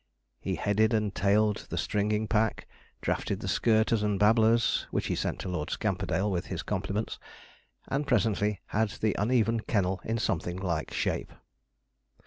He headed and tailed the stringing pack, drafted the skirters and babblers (which he sent to Lord Scamperdale, with his compliments), and presently had the uneven kennel in something like shape.